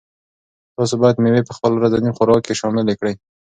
تاسو باید مېوې په خپل ورځني خوراک کې شاملې کړئ.